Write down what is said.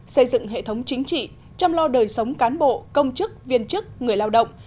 xây dựng hệ thống chính trị chăm lo đời sống cán bộ công chức viên chức người lao động